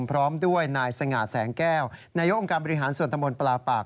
พร้อมด้วยนายสง่าแสงแก้วนายกองค์การบริหารส่วนตำบลปลาปาก